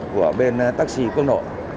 của bên taxi quốc nội